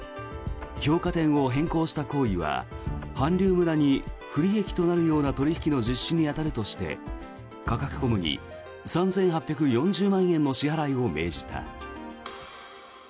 評価点を変更した行為は韓流村に不利益となるような取引の実施に当たるとしてカカクコムに３８４０万円の支払いを命じた。